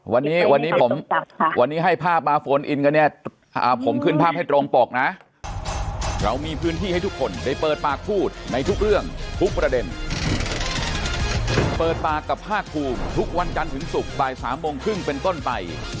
วันนี้ให้ภาพมาโฟนอินก็เนี่ยผมขึ้นภาพให้ตรงปลอกนะ